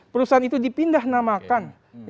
perusahaan itu dipindahnamakan